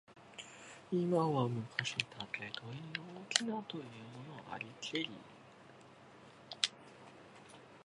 今は昔、竹取の翁というものありけり。